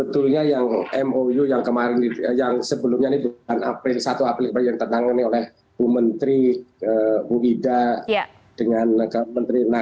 terima kasih mbak putri